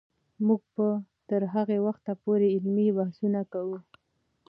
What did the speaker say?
موږ به تر هغه وخته پورې علمي بحثونه کوو.